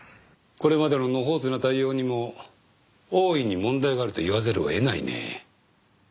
これまでの野放図な対応にも大いに問題があると言わざるを得ないね。